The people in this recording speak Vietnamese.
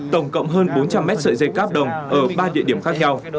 tổng cộng hơn bốn trăm linh mét sợi dây cáp đồng ở ba địa điểm khác nhau